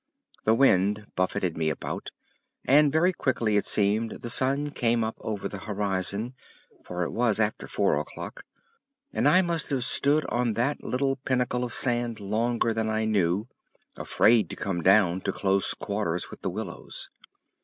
The wind buffeted me about, and, very quickly it seemed, the sun came up over the horizon, for it was after four o'clock, and I must have stood on that little pinnacle of sand longer than I knew, afraid to come down to close quarters with the willows.